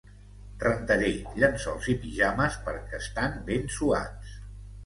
rentaré llençols i pijames perquè estan ben suats